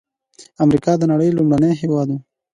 امریکا د نړۍ لومړنی هېواد و.